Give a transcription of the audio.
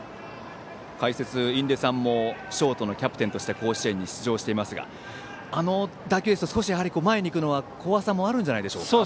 解説の印出さんもショートのキャプテンとして甲子園に出場していますがあの打球ですと前に行くのは怖さもあるんじゃないでしょうか。